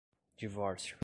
divórcio